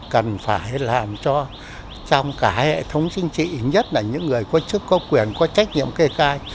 cần phải làm cho trong cả hệ thống chính trị nhất là những người có chức có quyền có trách nhiệm kê khai